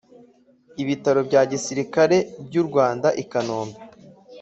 Ibitaro bya Gisirikare by u Rwanda I kanombe